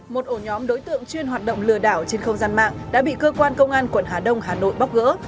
một ổ nhóm đối tượng chuyên hoạt động lừa đảo trên không gian mạng đã bị cơ quan công an quận hà đông hà nội bóc gỡ